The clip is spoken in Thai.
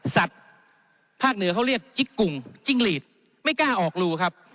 สัตว์ภาคเหนือเขาเรียกจิ๊กกุ่งจิ้งหลีดไม่กล้าออกรูครับ